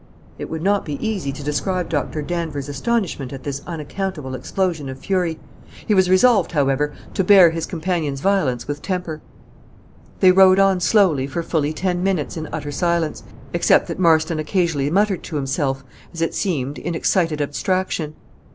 It would not be easy to describe Dr. Danvers' astonishment at this unaccountable explosion of fury. He was resolved, however, to bear his companion's violence with temper. They rode on slowly for fully ten minutes in utter silence, except that Marston occasionally muttered to himself, as it seemed, in excited abstraction.